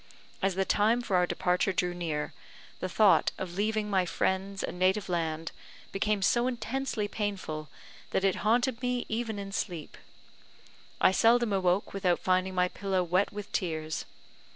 As the time for our departure drew near, the thought of leaving my friends and native land became so intensely painful that it haunted me even in sleep. I seldom awoke without finding my pillow wet with tears.